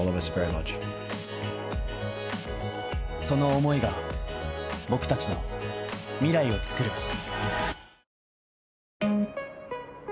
その思いが僕達の未来をつくる